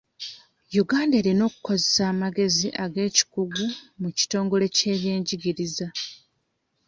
Uganda erina okukozesa amagezi ag'ekikugu mu kitongole ky'ebyenjigiriza.